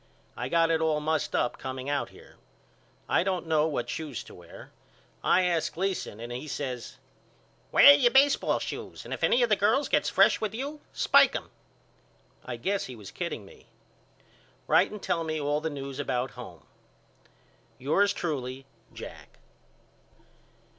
I got it all mussed up coming out here. I don't know what shoes to wear. I asked Gleason and he says Wear your baseball shoes and if any of the girls gets fresh with you spike them. I guess he was kidding me. Write and tell me all the news about home. Yours truly, JACK.